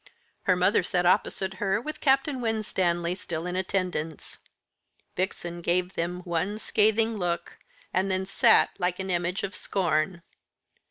Her mother sat opposite her, with Captain Winstanley still in attendance. Vixen gave them one scathing look, and then sat like an image of scorn.